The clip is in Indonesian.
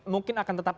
mungkin akan tetap